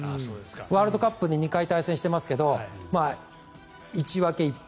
ワールドカップで２回対戦していますが１分け１敗。